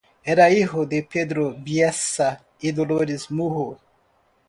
Era hijo de Pedro Bielsa y Dolores Muro.